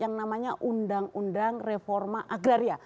yang namanya undang undang reforma agraria